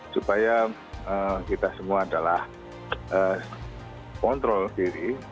supaya kita semua adalah kontrol diri